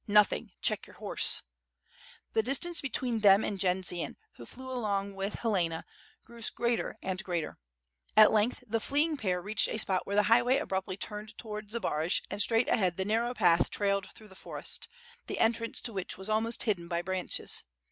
"Nothing, check your horsel" The distance between them and Jendzian, who flew along with Helena, grew greater and greater. At length the flee ing pair reached a spot where the highway abruptly turned towards Zbaraj and straight ahead the narrow path trailed through the forest, the entrance to which was almost hidden by branches.